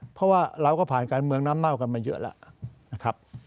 เพราะว่าเราก็ผ่านการเมืองน้ำเน่ากันมาเยอะแล้วนะครับ